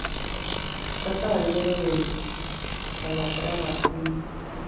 Fue caballero de Calatrava, veinticuatro de Sevilla y maestrante.